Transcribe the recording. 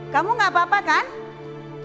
kamu gak apa apa kan